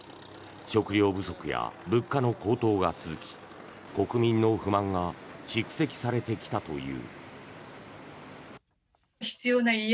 食料不足や物価の高騰が続き国民の不満が蓄積されてきたという。